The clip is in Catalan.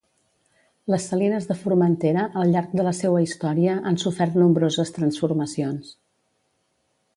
Les salines de Formentera, al llarg de la seua història han sofert nombroses transformacions.